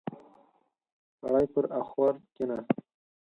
سړی پر اخور کېناست.